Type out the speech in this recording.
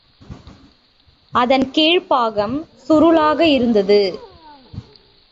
அதன் கீழ்ப்பாகம் சுருளாக இருந்தது.